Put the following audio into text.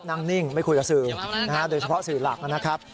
นิ่งไม่คุยกับสื่อโดยเฉพาะสื่อหลักนะครับ